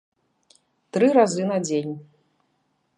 Тры разы на дзень.